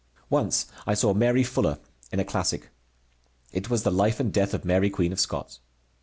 Once I saw Mary Fuller in a classic. It was the life and death of Mary Queen of Scots.